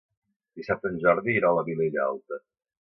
Dissabte en Jordi irà a la Vilella Alta.